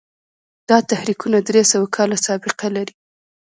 دا تحریکونه درې سوه کاله سابقه لري.